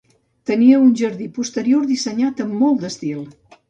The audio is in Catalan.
Tenia un jardí posterior dissenyat amb molt d'estil